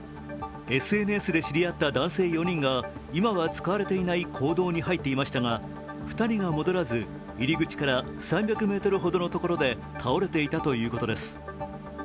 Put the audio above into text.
ＳＮＳで知り合った男性４人が今は使われていない坑道に入っていましたが、２人が戻らず入り口から３００ｍほどのところで倒れていたということです。